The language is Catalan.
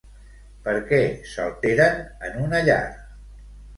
Per què s'alteren en una llar?